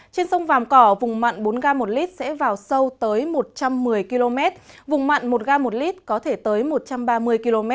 trên sông vàm cỏ vùng mặn bốn gram một lit sẽ vào sâu tới một trăm một mươi km vùng mặn một gram một lit có thể tới một trăm ba mươi km